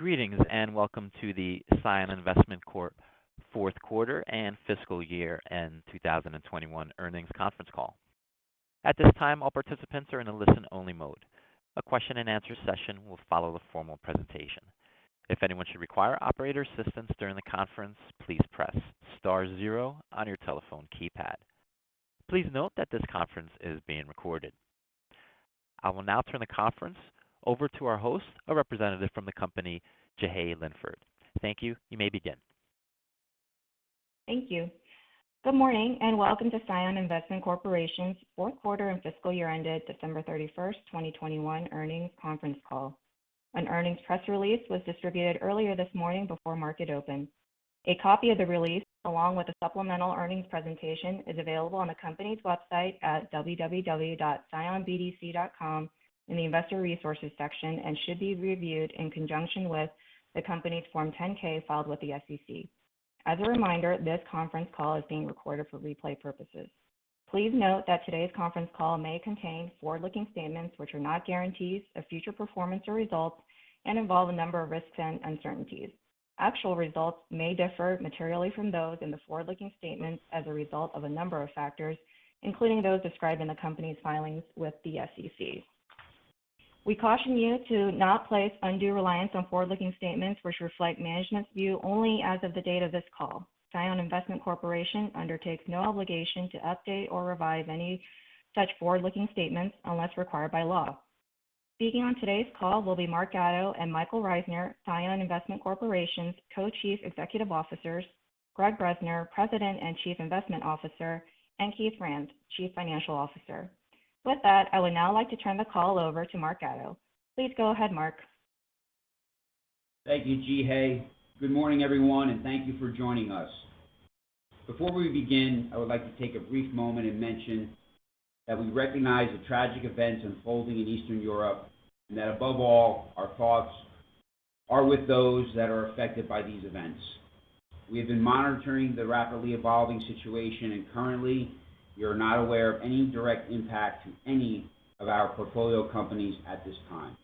Greetings, and welcome to the CION Investment Corporation fourth quarter and fiscal year end 2021 earnings conference call. At this time, all participants are in a listen-only mode. A question-and-answer session will follow the formal presentation. If anyone should require operator assistance during the conference, please press star zero on your telephone keypad. Please note that this conference is being recorded. I will now turn the conference over to our host, a representative from the company, Jeehae Linford. Thank you. You may begin. Thank you. Good morning, and welcome to CION Investment Corporation's fourth quarter and fiscal year ended December 31st, 2021 earnings conference call. An earnings press release was distributed earlier this morning before market open. A copy of the release, along with the supplemental earnings presentation, is available on the company's website at www.cionbdc.com in the Investor Resources section and should be reviewed in conjunction with the company's Form 10-K filed with the SEC. As a reminder, this conference call is being recorded for replay purposes. Please note that today's conference call may contain forward-looking statements which are not guarantees of future performance or results and involve a number of risks and uncertainties. Actual results may differ materially from those in the forward-looking statements as a result of a number of factors, including those described in the company's filings with the SEC. We caution you to not place undue reliance on forward-looking statements which reflect management's view only as of the date of this call. CION Investment Corporation undertakes no obligation to update or revise any such forward-looking statements unless required by law. Speaking on today's call will be Mark Gatto and Michael Reisner, CION Investment Corporation's Co-Chief Executive Officers, Gregg Bresner, President and Chief Investment Officer, and Keith Franz, Chief Financial Officer. With that, I would now like to turn the call over to Mark Gatto. Please go ahead, Mark. Thank you, Jeehae. Good morning, everyone, and thank you for joining us. Before we begin, I would like to take a brief moment and mention that we recognize the tragic events unfolding in Eastern Europe, and that above all, our thoughts are with those that are affected by these events. We have been monitoring the rapidly evolving situation, and currently we are not aware of any direct impact to any of our portfolio companies at this time.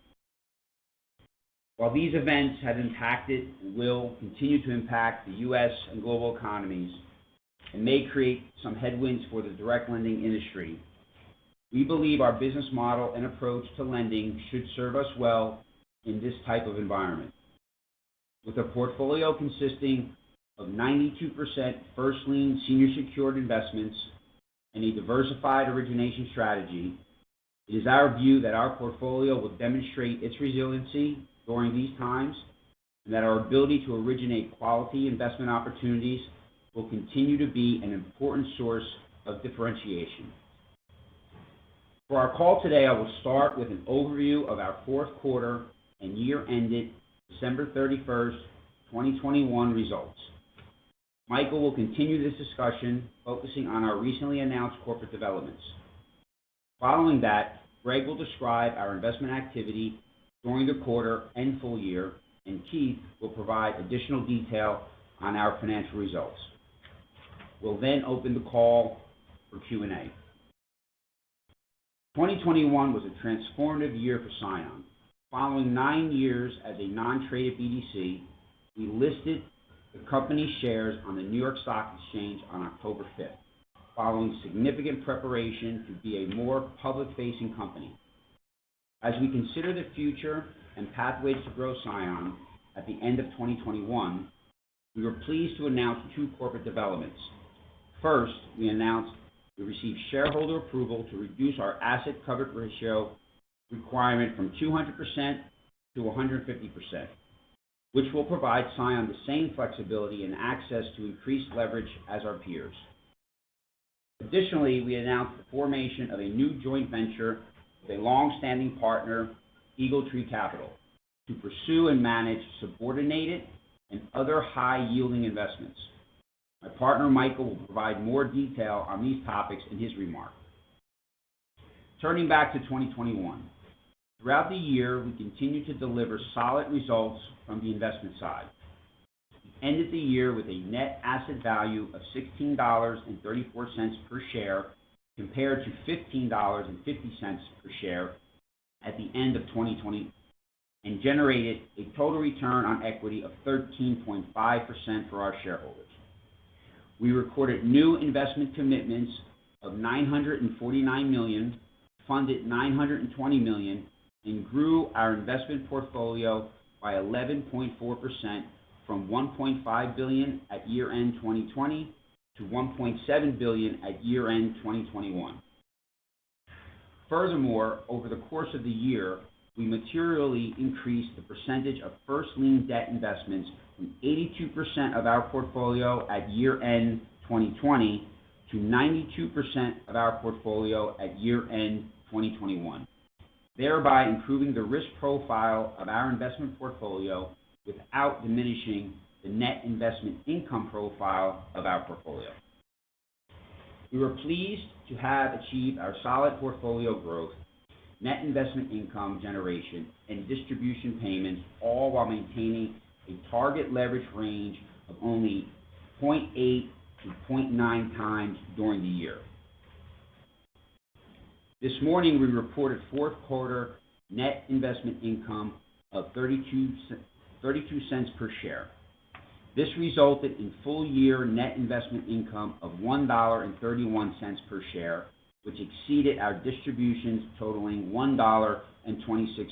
While these events have impacted and will continue to impact the U.S. and global economies and may create some headwinds for the direct lending industry, we believe our business model and approach to lending should serve us well in this type of environment. With a portfolio consisting of 92% first lien senior secured investments and a diversified origination strategy, it is our view that our portfolio will demonstrate its resiliency during these times, and that our ability to originate quality investment opportunities will continue to be an important source of differentiation. For our call today, I will start with an overview of our fourth quarter and year-ended December 31st, 2021 results. Michael will continue this discussion, focusing on our recently announced corporate developments. Following that, Gregg will describe our investment activity during the quarter and full year, and Keith will provide additional detail on our financial results. We'll then open the call for Q&A. Twenty twenty-one was a transformative year for CION. Following nine years as a non-traded BDC, we listed the company shares on the New York Stock Exchange on October 5th, following significant preparation to be a more public-facing company. As we consider the future and pathways to grow CION at the end of 2021, we were pleased to announce two corporate developments. First, we announced we received shareholder approval to reduce our asset coverage ratio requirement from 200% to 150%, which will provide CION the same flexibility and access to increased leverage as our peers. Additionally, we announced the formation of a new joint venture with a long-standing partner, EagleTree Capital, to pursue and manage subordinated and other high-yielding investments. My partner Michael will provide more detail on these topics in his remarks. Turning back to 2021. Throughout the year, we continued to deliver solid results from the investment side. We ended the year with a net asset value of $16.34 per share, compared to $15.50 per share at the end of 2020, and generated a total return on equity of 13.5% for our shareholders. We recorded new investment commitments of $949 million, funded $920 million, and grew our investment portfolio by 11.4% from $1.5 billion at year-end 2020 to $1.7 billion at year-end 2021. Furthermore, over the course of the year, we materially increased the percentage of first lien debt investments from 82% of our portfolio at year-end 2020 to 92% of our portfolio at year-end 2021, thereby improving the risk profile of our investment portfolio without diminishing the net investment income profile of our portfolio. We were pleased to have achieved our solid portfolio growth, net investment income generation, and distribution payments, all while maintaining a target leverage range of only 0.8x-0.9x during the year. This morning, we reported fourth quarter net investment income of $0.32 per share. This resulted in full year net investment income of $1.31 per share, which exceeded our distributions totaling $1.26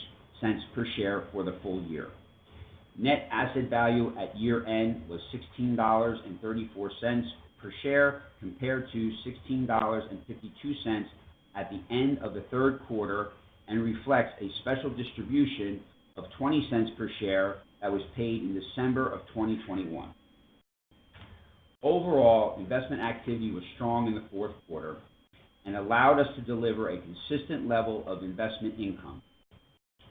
per share for the full year. Net asset value at year-end was $16.34 per share compared to $16.52 at the end of the third quarter, and reflects a special distribution of $0.20 per share that was paid in December 2021. Overall, investment activity was strong in the fourth quarter and allowed us to deliver a consistent level of investment income.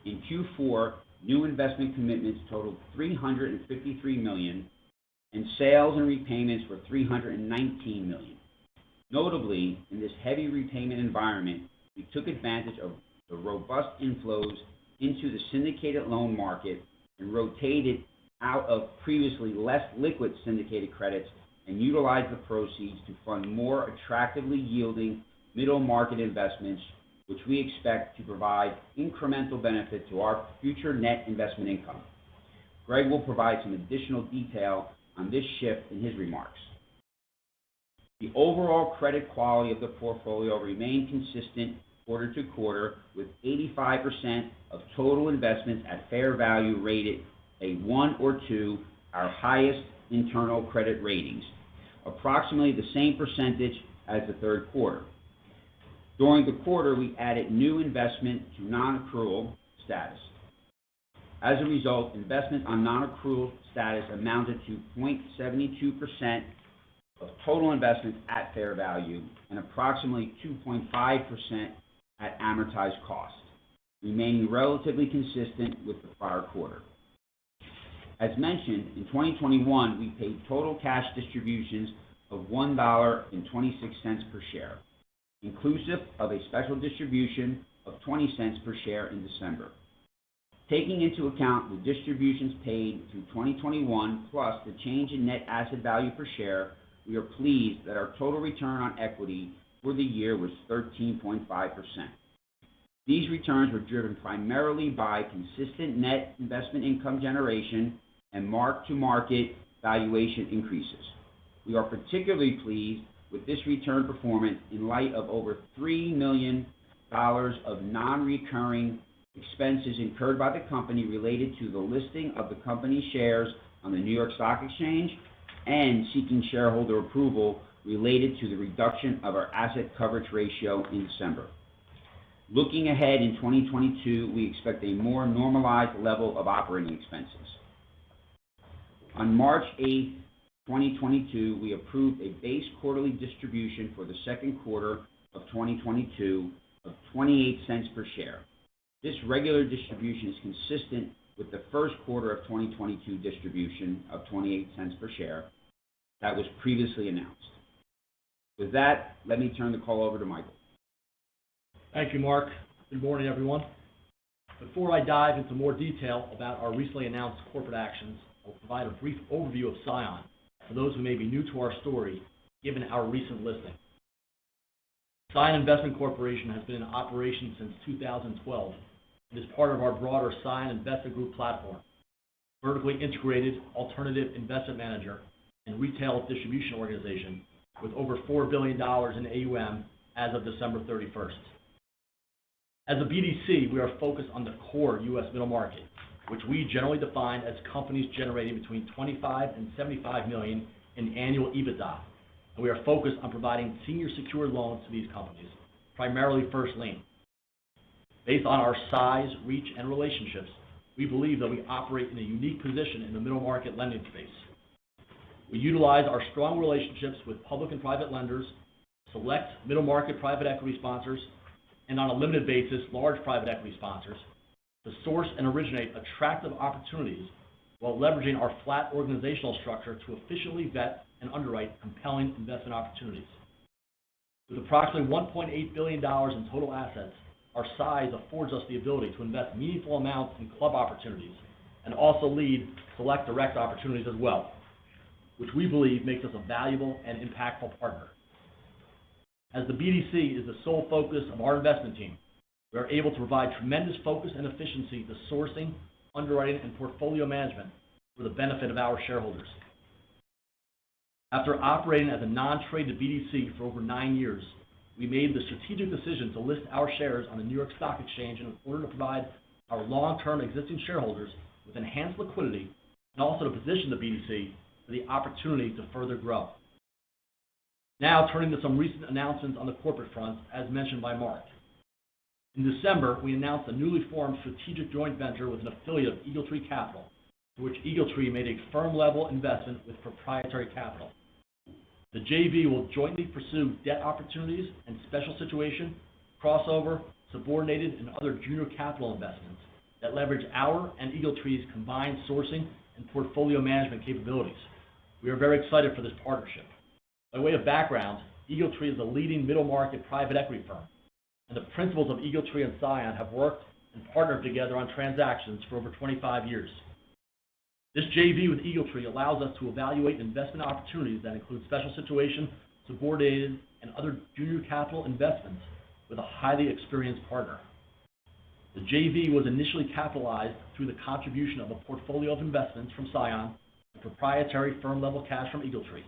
In Q4, new investment commitments totaled $353 million, and sales and repayments were $319 million. Notably, in this heavy repayment environment, we took advantage of the robust inflows into the syndicated loan market and rotated out of previously less liquid syndicated credits and utilized the proceeds to fund more attractively yielding middle market investments, which we expect to provide incremental benefit to our future net investment income. Gregg will provide some additional detail on this shift in his remarks. The overall credit quality of the portfolio remained consistent quarter to quarter, with 85% of total investments at fair value rated 1 or 2, our highest internal credit ratings. Approximately the same percentage as the third quarter. During the quarter, we added no new investments to non-accrual status. As a result, investment on non-accrual status amounted to 0.72% of total investments at fair value and approximately 2.5% at amortized cost, remaining relatively consistent with the prior quarter. As mentioned, in 2021, we paid total cash distributions of $1.26 per share, inclusive of a special distribution of $0.20 per share in December. Taking into account the distributions paid through 2021 plus the change in net asset value per share, we are pleased that our total return on equity for the year was 13.5%. These returns were driven primarily by consistent net investment income generation and mark-to-market valuation increases. We are particularly pleased with this return performance in light of over $3 million of non-recurring expenses incurred by the company related to the listing of the company shares on the New York Stock Exchange and seeking shareholder approval related to the reduction of our asset coverage ratio in December. Looking ahead in 2022, we expect a more normalized level of OpEx. On March 8th, 2022, we approved a base quarterly distribution for the second quarter of 2022 of $0.28 per share. This regular distribution is consistent with the first quarter of 2022 distribution of $0.28 per share that was previously announced. With that, let me turn the call over to Michael. Thank you, Mark. Good morning, everyone. Before I dive into more detail about our recently announced corporate actions, I'll provide a brief overview of CION for those who may be new to our story given our recent listing. CION Investment Corporation has been in operation since 2012 and is part of our broader CION Investment Group platform, a vertically integrated alternative investment manager and retail distribution organization with over $4 billion in AUM as of December 31st. As a BDC, we are focused on the core U.S. middle market, which we generally define as companies generating between $25 million-$75 million in annual EBITDA, and we are focused on providing senior secured loans to these companies, primarily first lien. Based on our size, reach, and relationships, we believe that we operate in a unique position in the middle market lending space. We utilize our strong relationships with public and private lenders, select middle market private equity sponsors, and on a limited basis, large private equity sponsors, to source and originate attractive opportunities while leveraging our flat organizational structure to efficiently vet and underwrite compelling investment opportunities. With approximately $1.8 billion in total assets, our size affords us the ability to invest meaningful amounts in club opportunities and also lead select direct opportunities as well, which we believe makes us a valuable and impactful partner. As the BDC is the sole focus of our investment team, we are able to provide tremendous focus and efficiency to sourcing, underwriting, and portfolio management for the benefit of our shareholders. After operating as a non-traded BDC for over nine years, we made the strategic decision to list our shares on the New York Stock Exchange in order to provide our long-term existing shareholders with enhanced liquidity and also to position the BDC for the opportunity to further grow. Now, turning to some recent announcements on the corporate front, as mentioned by Mark. In December, we announced a newly formed strategic joint venture with an affiliate of EagleTree Capital, to which EagleTree Capital made a firm-level investment with proprietary capital. The JV will jointly pursue debt opportunities and special situation, crossover, subordinated, and other junior capital investments that leverage our and EagleTree Capital's combined sourcing and portfolio management capabilities. We are very excited for this partnership. By way of background, EagleTree is a leading middle market private equity firm, and the principals of EagleTree and CION have worked and partnered together on transactions for over 25 years. This JV with EagleTree allows us to evaluate investment opportunities that include special situation, subordinated, and other junior capital investments with a highly experienced partner. The JV was initially capitalized through the contribution of a portfolio of investments from CION and proprietary firm-level cash from EagleTree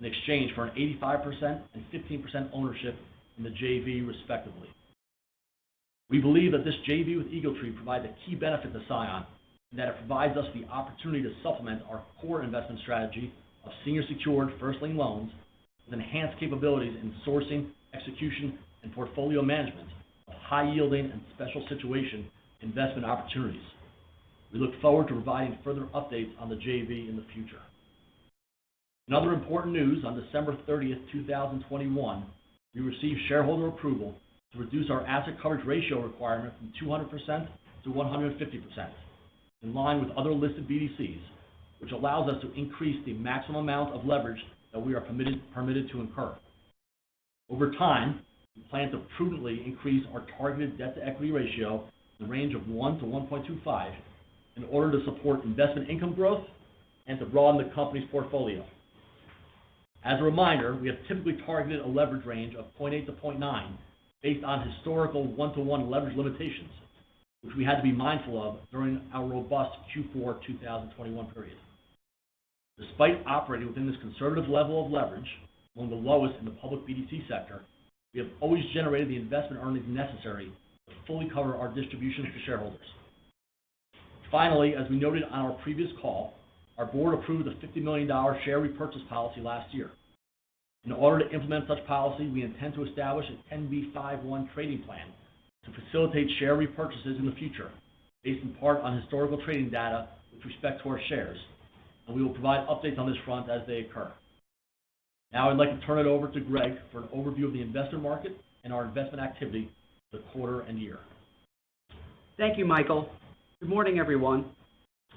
in exchange for an 85% and 15% ownership in the JV, respectively. We believe that this JV with EagleTree provides a key benefit to CION in that it provides us the opportunity to supplement our core investment strategy of senior secured first lien loans with enhanced capabilities in sourcing, execution, and portfolio management of high-yielding and special situation investment opportunities. We look forward to providing further updates on the JV in the future. In other important news, on December 30th, 2021, we received shareholder approval to reduce our asset coverage ratio requirement from 200% to 150%, in line with other listed BDCs, which allows us to increase the maximum amount of leverage that we are permitted to incur. Over time, we plan to prudently increase our targeted debt-to-equity ratio in the range of 1-1.25 in order to support investment income growth and to broaden the company's portfolio. As a reminder, we have typically targeted a leverage range of 0.8-0.9 based on historical 1-to-1 leverage limitations, which we had to be mindful of during our robust Q4 2021 period. Despite operating within this conservative level of leverage, among the lowest in the public BDC sector, we have always generated the investment earnings necessary to fully cover our distributions to shareholders. Finally, as we noted on our previous call, our board approved a $50 million share repurchase policy last year. In order to implement such policy, we intend to establish a 10b5-1 trading plan to facilitate share repurchases in the future based in part on historical trading data with respect to our shares, and we will provide updates on this front as they occur. Now I'd like to turn it over to Gregg for an overview of the investment market and our investment activity for the quarter and year. Thank you, Michael. Good morning, everyone.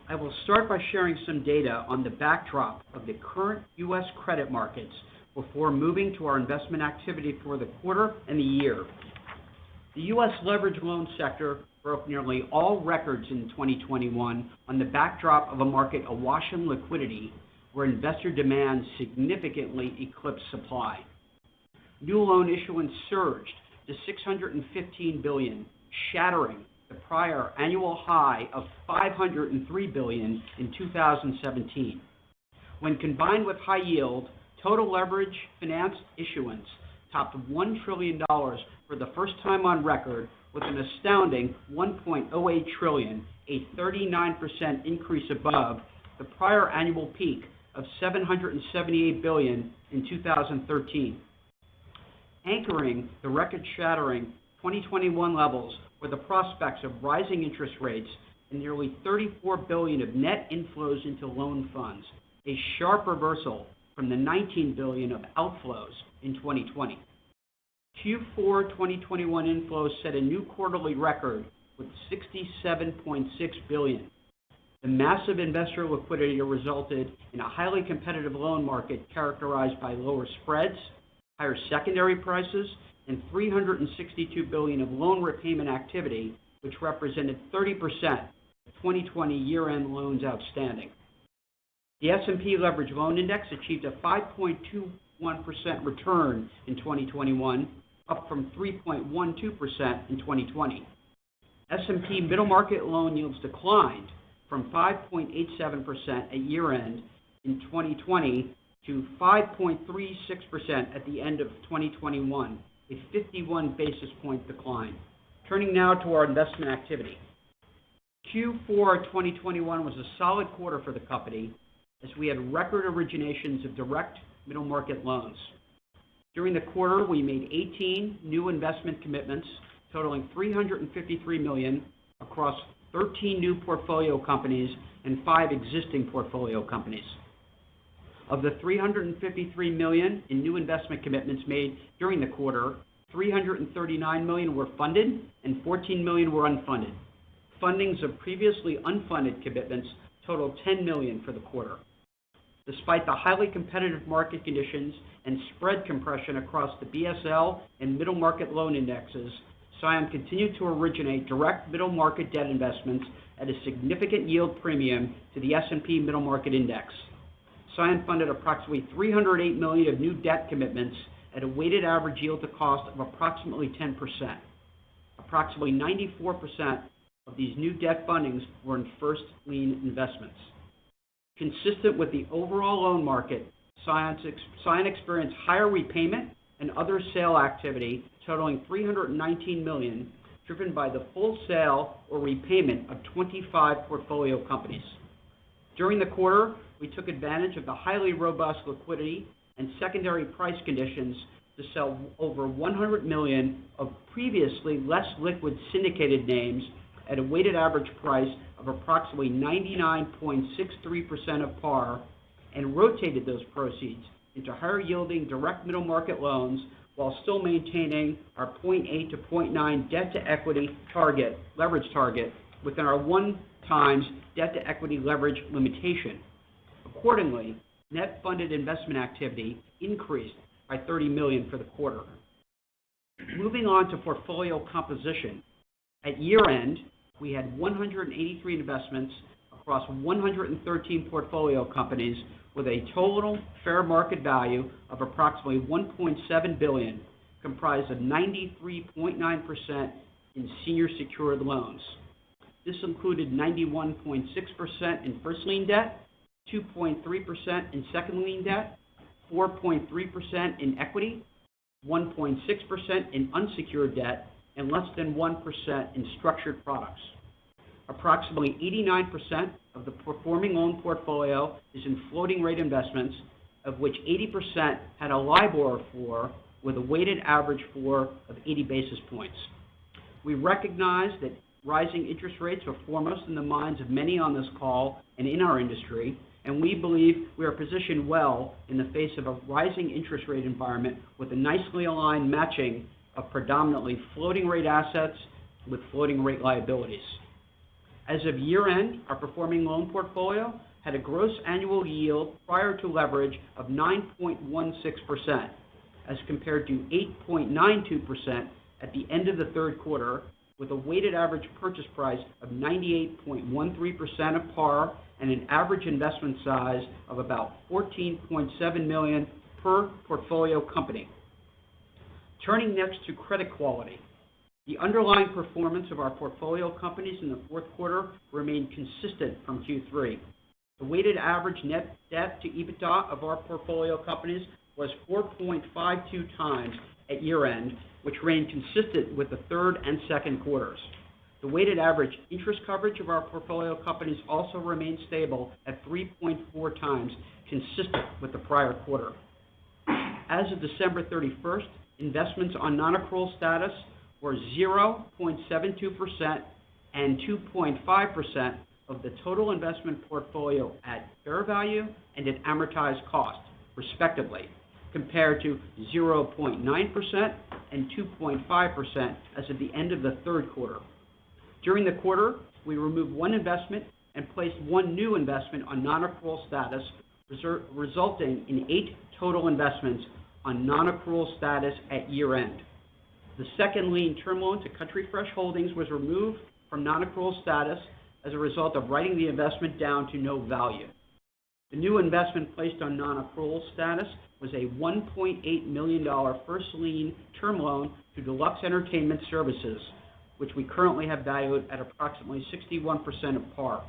I will start by sharing some data on the backdrop of the current U.S. credit markets before moving to our investment activity for the quarter and the year. The U.S. leveraged loan sector broke nearly all records in 2021 on the backdrop of a market awash in liquidity where investor demand significantly eclipsed supply. New loan issuance surged to $615 billion, shattering the prior annual high of $503 billion in 2017. When combined with high-yield, total leveraged finance issuance topped $1 trillion for the first time on record with an astounding $1.08 trillion, a 39% increase above the prior annual peak of $778 billion in 2013. Anchoring the record-shattering 2021 levels were the prospects of rising interest rates and nearly $34 billion of net inflows into loan funds, a sharp reversal from the $19 billion of outflows in 2020. Q4 2021 inflows set a new quarterly record with $67.6 billion. The massive investor liquidity resulted in a highly competitive loan market characterized by lower spreads, higher secondary prices, and $362 billion of loan repayment activity, which represented 30% of 2020 year-end loans outstanding. The S&P Leveraged Loan Index achieved a 5.21% return in 2021, up from 3.12% in 2020. S&P middle market loan yields declined from 5.87% at year-end in 2020 to 5.36% at the end of 2021, a 51 basis point decline. Turning now to our investment activity. Q4 2021 was a solid quarter for the company as we had record originations of direct middle market loans. During the quarter, we made 18 new investment commitments totaling $353 million across 13 new portfolio companies and five existing portfolio companies. Of the $353 million in new investment commitments made during the quarter, $339 million were funded and $14 million were unfunded. Fundings of previously unfunded commitments totaled $10 million for the quarter. Despite the highly competitive market conditions and spread compression across the BSL and middle market loan indexes, CION continued to originate direct middle market debt investments at a significant yield premium to the S&P middle market index. CION funded approximately $308 million of new debt commitments at a weighted average yield to cost of approximately 10%. Approximately 94% of these new debt fundings were in first lien investments. Consistent with the overall loan market, CION experienced higher repayment and other sale activity totaling $319 million, driven by the full sale or repayment of 25 portfolio companies. During the quarter, we took advantage of the highly robust liquidity and secondary price conditions to sell over $100 million of previously less liquid syndicated names at a weighted average price of approximately 99.63% of par and rotated those proceeds into higher-yielding direct middle market loans while still maintaining our 0.8x-0.9x debt-to-equity target, leverage target within our 1x debt-to-equity leverage limitation. Accordingly, net funded investment activity increased by $30 million for the quarter. Moving on to portfolio composition. At year-end, we had 183 investments across 113 portfolio companies with a total fair market value of approximately $1.7 billion, comprised of 93.9% in senior secured loans. This included 91.6% in first lien debt, 2.3% in second lien debt, 4.3% in equity, 1.6% in unsecured debt, and less than 1% in structured products. Approximately 89% of the performing loan portfolio is in floating rate investments, of which 80% had a LIBOR of 4, with a weighted average floor of 80 basis points. We recognize that rising interest rates are foremost in the minds of many on this call and in our industry, and we believe we are positioned well in the face of a rising interest rate environment with a nicely aligned matching of predominantly floating rate assets with floating rate liabilities. As of year-end, our performing loan portfolio had a gross annual yield prior to leverage of 9.16%, as compared to 8.92% at the end of the third quarter, with a weighted average purchase price of 98.13% of par and an average investment size of about $14.7 million per portfolio company. Turning next to credit quality. The underlying performance of our portfolio companies in the fourth quarter remained consistent from Q3. The weighted average net debt to EBITDA of our portfolio companies was 4.52x at year-end, which remained consistent with the third and second quarters. The weighted average interest coverage of our portfolio companies also remained stable at 3.4x, consistent with the prior quarter. As of December 31st, investments on non-accrual status were 0.72% and 2.5% of the total investment portfolio at fair value and at amortized cost, respectively, compared to 0.9% and 2.5% as of the end of the third quarter. During the quarter, we removed one investment and placed one new investment on non-accrual status, resulting in eight total investments on non-accrual status at year-end. The second lien term loan to Country Fresh Holdings was removed from non-accrual status as a result of writing the investment down to no value. The new investment placed on non-accrual status was a $1.8 million first lien term loan to Deluxe Entertainment Services, which we currently have valued at approximately 61% of par.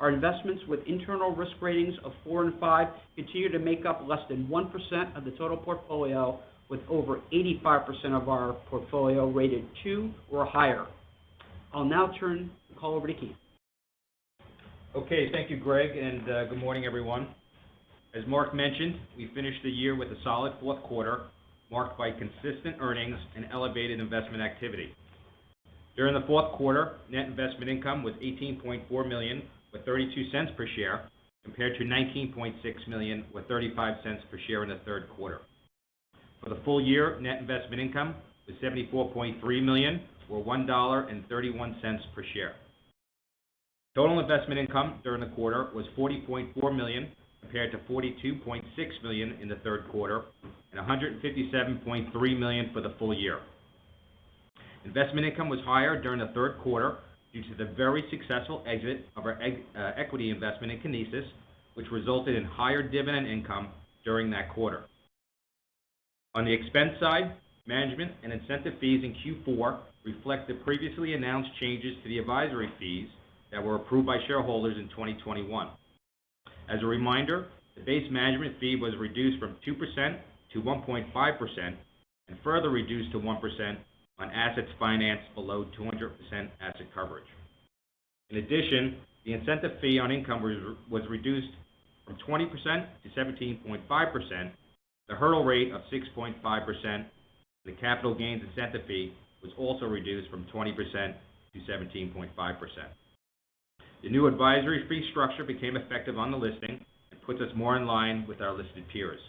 Our investments with internal risk ratings of 4 and 5 continue to make up less than 1% of the total portfolio, with over 85% of our portfolio rated 2 or higher. I'll now turn the call over to Keith. Okay. Thank you, Gregg, and good morning, everyone. As Mark mentioned, we finished the year with a solid fourth quarter, marked by consistent earnings and elevated investment activity. During the fourth quarter, net investment income was $18.4 million, with $0.32 per share, compared to $19.6 million with $0.35 per share in the third quarter. For the full year, net investment income was $74.3 million, or $1.31 per share. Total investment income during the quarter was $40.4 million compared to $42.6 million in the third quarter and $157.3 million for the full year. Investment income was higher during the third quarter due to the very successful exit of our equity investment in Conisus, which resulted in higher dividend income during that quarter. On the expense side, management and incentive fees in Q4 reflect the previously announced changes to the advisory fees that were approved by shareholders in 2021. As a reminder, the base management fee was reduced from 2% to 1.5% and further reduced to 1% on assets financed below 200% asset coverage. In addition, the incentive fee on income was reduced from 20% to 17.5%. The hurdle rate of 6.5% for the capital gains incentive fee was also reduced from 20% to 17.5%. The new advisory fee structure became effective on the listing and puts us more in line with our listed peers.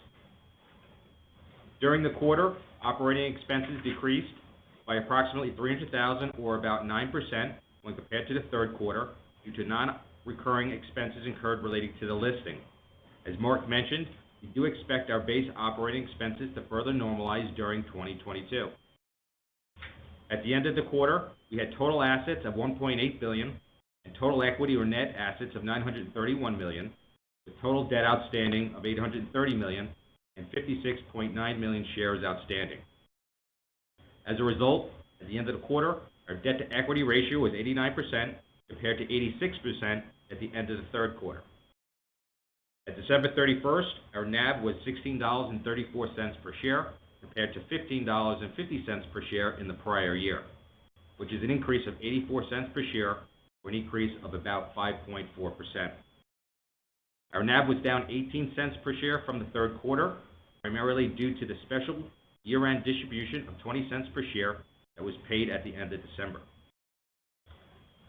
During the quarter, OpEx decreased by approximately $300,000 or about 9% when compared to the third quarter due to non-recurring expenses incurred relating to the listing. As Mark mentioned, we do expect our base OpEx to further normalize during 2022. At the end of the quarter, we had total assets of $1.8 billion and total equity or net assets of $931 million, with total debt outstanding of $830 million and 56.9 million shares outstanding. As a result, at the end of the quarter, our debt-to-equity ratio was 89%, compared to 86% at the end of the third quarter. As of December 31st, our NAV was $16.34 per share, compared to $15.50 per share in the prior year, which is an increase of $0.84 per share or an increase of about 5.4%. Our NAV was down $0.18 per share from the third quarter, primarily due to the special year-end distribution of $0.20 per share that was paid at the end of December.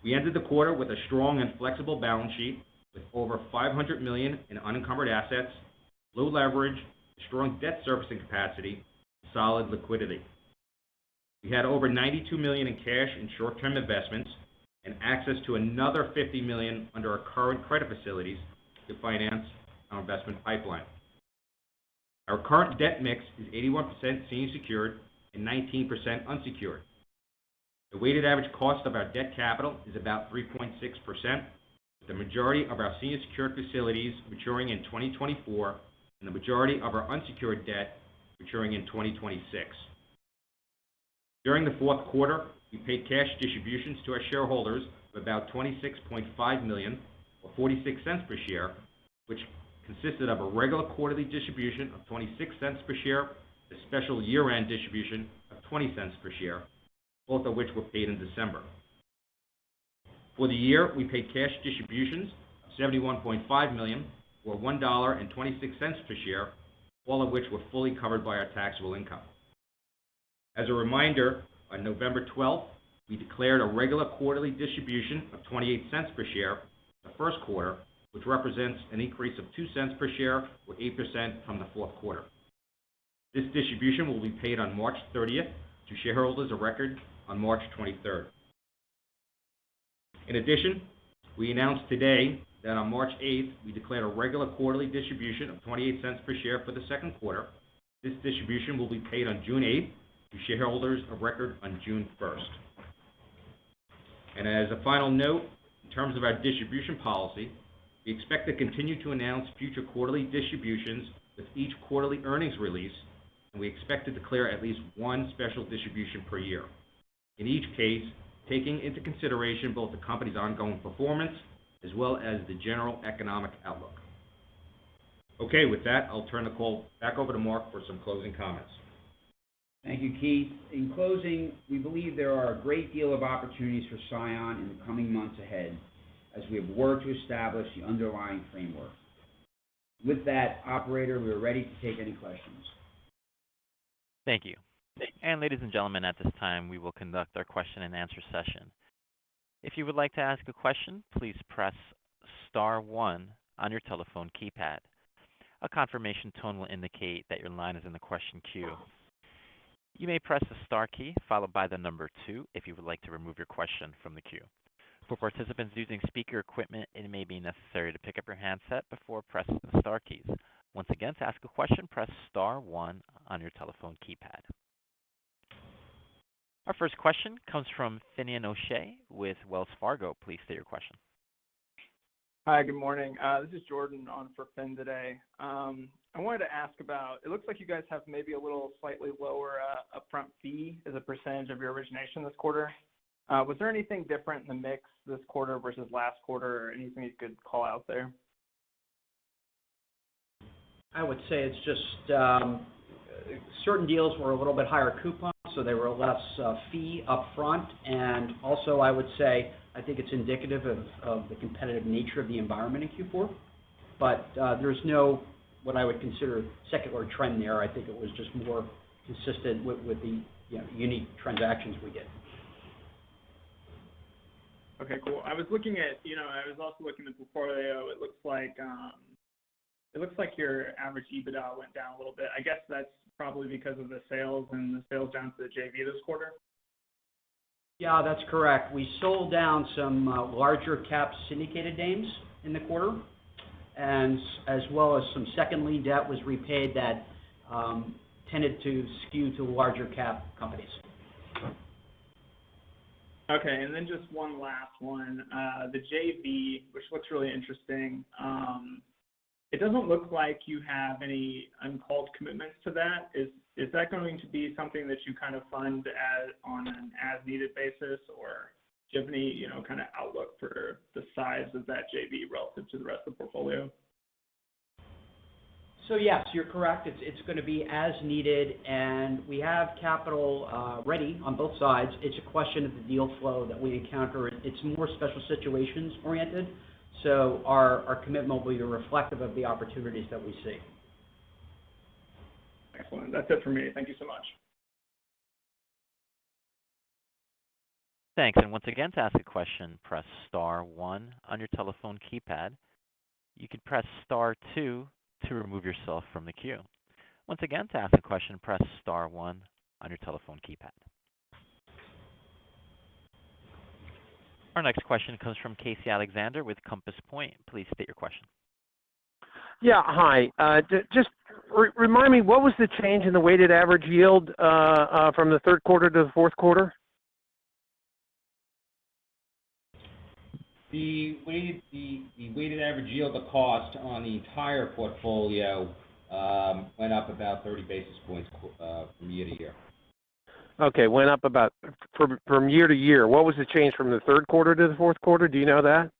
We ended the quarter with a strong and flexible balance sheet with over $500 million in unencumbered assets, low leverage, strong debt servicing capacity, and solid liquidity. We had over $92 million in cash and short-term investments and access to another $50 million under our current credit facilities to finance our investment pipeline. Our current debt mix is 81% senior secured and 19% unsecured. The weighted average cost of our debt capital is about 3.6%, with the majority of our senior secured facilities maturing in 2024 and the majority of our unsecured debt maturing in 2026. During the fourth quarter, we paid cash distributions to our shareholders of about $26.5 million or $0.46 per share, which consisted of a regular quarterly distribution of $0.26 per share, a special year-end distribution of $0.20 per share, both of which were paid in December. For the year, we paid cash distributions of $71.5 million or $1.26 per share, all of which were fully covered by our taxable income. As a reminder, on November 12, we declared a regular quarterly distribution of $0.28 per share the first quarter, which represents an increase of $0.02 per share or 8% from the fourth quarter. This distribution will be paid on March 30th to shareholders of record on March 23rd. In addition, we announced today that on March 8th, we declared a regular quarterly distribution of $0.28 per share for the second quarter. This distribution will be paid on June 8th to shareholders of record on June 1st. As a final note, in terms of our distribution policy, we expect to continue to announce future quarterly distributions with each quarterly earnings release, and we expect to declare at least one special distribution per year. In each case, taking into consideration both the company's ongoing performance as well as the general economic outlook. Okay. With that, I'll turn the call back over to Mark for some closing comments. Thank you, Keith. In closing, we believe there are a great deal of opportunities for CION in the coming months ahead as we have worked to establish the underlying framework. With that, operator, we are ready to take any questions. Thank you. Ladies and gentlemen, at this time, we will conduct our question-and-answer session. If you would like to ask a question, please press star one on your telephone keypad. A confirmation tone will indicate that your line is in the question queue. You may press the star key followed by the number two if you would like to remove your question from the queue. For participants using speaker equipment, it may be necessary to pick up your handset before pressing the star keys. Once again, to ask a question, press star one on your telephone keypad. Our first question comes from Finian O'Shea with Wells Fargo. Please state your question. Hi. Good morning. This is Jordan on for Finn today. I wanted to ask about it looks like you guys have maybe a little slightly lower upfront fee as a percentage of your origination this quarter. Was there anything different in the mix this quarter versus last quarter or anything you could call out there? I would say it's just certain deals were a little bit higher coupon, so they were less fee up front. Also, I would say, I think it's indicative of the competitive nature of the environment in Q4. There's no what I would consider secular trend there. I think it was just more consistent with the you know, unique transactions we get. Okay, cool. You know, I was also looking at the portfolio. It looks like your average EBITDA went down a little bit. I guess that's probably because of the sales down to the JV this quarter. Yeah, that's correct. We sold down some larger-cap syndicated names in the quarter and as well as some second lien debt was repaid that tended to skew to larger-cap companies. Okay. Just one last one. The JV, which looks really interesting, it doesn't look like you have any uncalled commitments to that. Is that going to be something that you kind of fund on an as-needed basis? Or do you have any, you know, kind of outlook for the size of that JV relative to the rest of the portfolio? Yes, you're correct. It's gonna be as needed, and we have capital ready on both sides. It's a question of the deal flow that we encounter. It's more special situations oriented. Our commitment will be reflective of the opportunities that we see. Excellent. That's it for me. Thank you so much. Our next question comes from Casey Alexander with Compass Point. Please state your question. Yeah. Hi. Just remind me, what was the change in the weighted average yield from the third quarter to the fourth quarter? The weighted average yield to cost on the entire portfolio went up about 30 basis points from year to year. Okay. Went up from year to year. What was the change from the third quarter to the fourth quarter? Do you know that?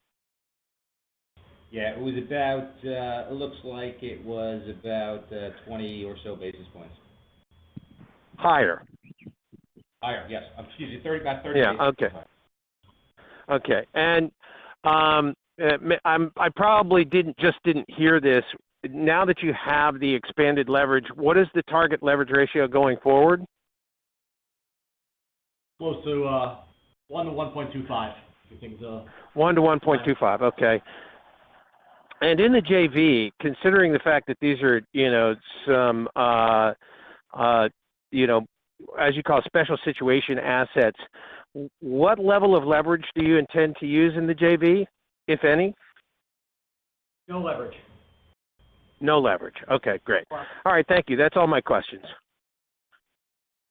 Yeah. It was about 20 or so basis points. Higher? Higher, yes. Excuse me, 30, about 30 basis points. Yeah. Okay. Okay. I probably just didn't hear this. Now that you have the expanded leverage, what is the target leverage ratio going forward? Close to 1-1.25, I think is. One to one point two five. Okay. In the JV, considering the fact that these are, you know, some, you know, as you call, special situation assets, what level of leverage do you intend to use in the JV, if any? No leverage. No leverage. Okay, great. Correct. All right. Thank you. That's all my questions.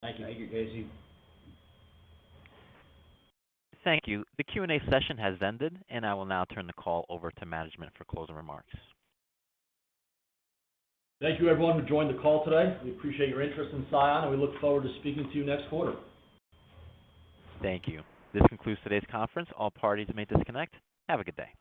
Thank you. Thank you, Casey. Thank you. The Q&A session has ended, and I will now turn the call over to management for closing remarks. Thank you everyone who joined the call today. We appreciate your interest in CION, and we look forward to speaking to you next quarter. Thank you. This concludes today's conference. All parties may disconnect. Have a good day.